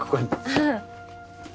うん。